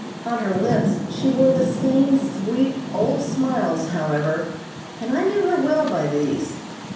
On her lips she wore the same sweet, old smiles, however, and I knew her well by these.